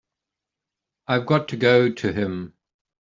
I've got to go to him.